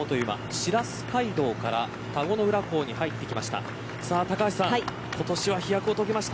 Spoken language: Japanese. しらす街道から田子の浦港に入ってきました。